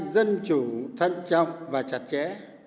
dân chủ thân trọng và chặt chẽ